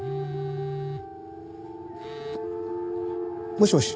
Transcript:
もしもし？